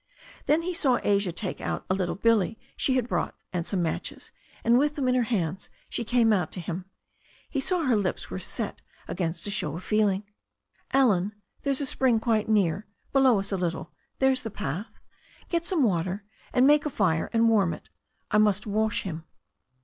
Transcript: Then he saw Asia take out a little billy she had brought and some matches, and with them in her hands she came out to him. He saw her lips were set against a show of feeling. "Allen, there's a spring quite near, below us a little— there's the path. Get some water and make a fire and warm it I must wash him."